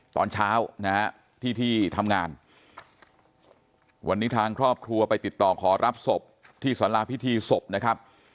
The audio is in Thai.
ตอนเช้านะฮะที่ที่ทำงานวันนี้ทางครอบครัวไปติดต่อขอรับศพที่สาราพิธีศพนะครับ